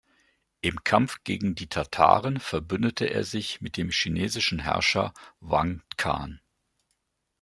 Im Kampf gegen die Tataren verbündet er sich mit dem chinesischen Herrscher Wang Khan.